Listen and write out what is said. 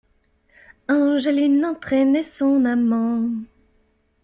Angeline entraînait son amant.